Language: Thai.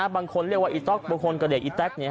บางคนเรียกว่าอีต๊อกบางคนก็เรียกอีแต๊ก